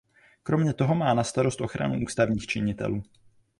Kromě toho má na starost ochranu ústavních činitelů.